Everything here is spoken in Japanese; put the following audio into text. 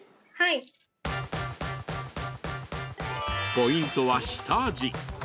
ポイントは下味。